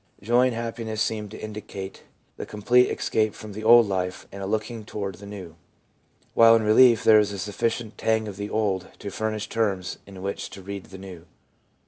Joy and happiness seem to indicate the completed escape from the old life and a looking toward the new, while in relief there is a sufficient tang of the old to furnish terms in which to read the new.